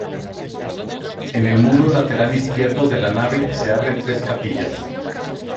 En el muro lateral izquierdo de la nave se abren tres capillas.